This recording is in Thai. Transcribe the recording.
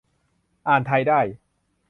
อ่านไทยได้